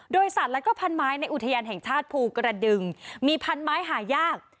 โดยสัตว์และก็พันไม้ในอุทยานแห่งชาติภูกระดึงมีพันไม้หายาก